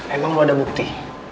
emang lo ada bukti